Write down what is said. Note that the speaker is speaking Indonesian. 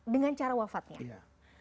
dengan cara wafatnya